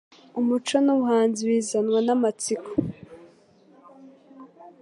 umuco n'ubuhanzi bizanwa n'amatsiko